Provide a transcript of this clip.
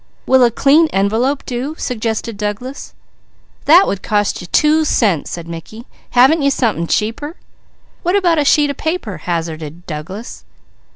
"Will a clean envelope do?" suggested Douglas. "That would cost you two cents," said Mickey. "Haven't you something cheaper?" "What about a sheet of paper?" hazarded Douglas.